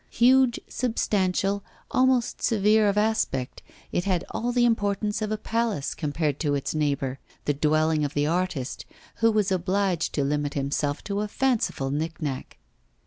Huge, substantial, almost severe of aspect, it had all the importance of a palace compared to its neighbour, the dwelling of the artist, who was obliged to limit himself to a fanciful nick nack.